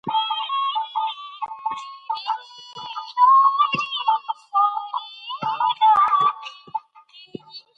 تعلیم د ګډون او همکارۍ فرصتونه زیاتوي.